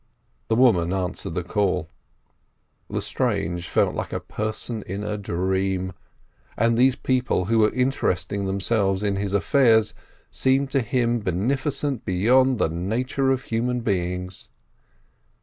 The woman answered the call. Lestrange felt like a person in a dream, and these people who were interesting themselves in his affairs seemed to him beneficent beyond the nature of human beings.